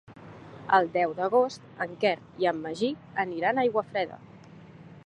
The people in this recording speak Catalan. El deu d'agost en Quer i en Magí aniran a Aiguafreda.